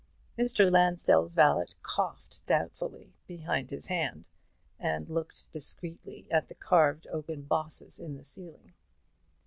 Mr. Lansdell's valet coughed doubtfully behind his hand, and looked discreetly at the carved oaken bosses in the ceiling.